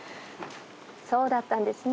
そうだったんですね。